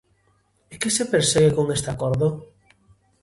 E que se persegue con este acordo?